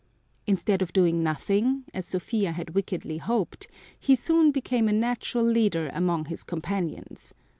Instead of doing nothing, as Sophia had wickedly hoped, he soon became a natural leader among his companions.